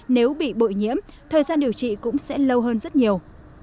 nếu bị bội nhiễm thời gian điều trị cũng sẽ lâu hơn rất nhiều